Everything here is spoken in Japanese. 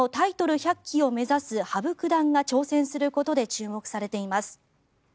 １００期を目指す羽生九段が挑戦することで注目されています。